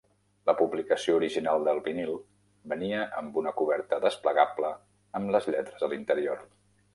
La publicació original del vinil venia amb una coberta desplegable amb les lletres a l'interior.